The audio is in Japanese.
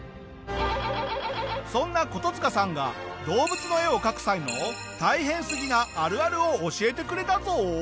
そんなコトヅカさんが動物の絵を描く際の大変すぎなあるあるを教えてくれたぞ。